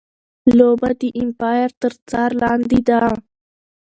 لوبه د ایمپایر تر څار لاندي ده.